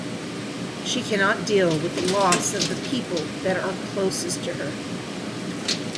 She cannot deal with the loss of the people that are closest to her.